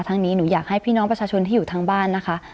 นี้หนูอยากให้พี่น้องประชาชนที่อยู่ทางบ้านนะคะ